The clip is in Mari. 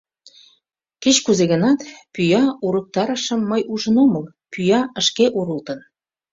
Кеч-кузе гынат, пӱя урыктарышым мый ужын омыл, пӱя шке урылтын...